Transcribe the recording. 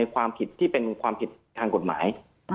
ความผิดทางกฎหมาย